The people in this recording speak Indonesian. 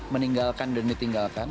meninggalkan dan ditinggalkan